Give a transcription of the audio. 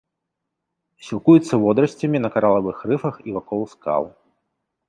Сілкуюцца водарасцямі на каралавых рыфах і вакол скал.